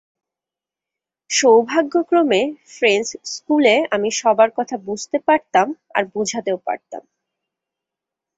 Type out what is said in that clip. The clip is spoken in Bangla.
সৌভাগ্যক্রমে, ফ্রেঞ্চ স্কুলে আমি সবার কথা বুঝতে পারতাম, আর বুঝাতেও পারতাম।